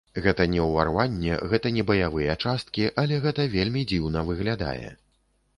Гэта не ўварванне, гэта не баявыя часткі, але гэта вельмі дзіўна выглядае.